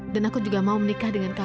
dan aku mau menikah denganmu